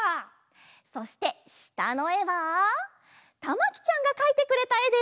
そしてしたのえはたまきちゃんがかいてくれたえです。